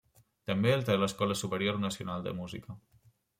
També té l'Escola Superior Nacional de Música.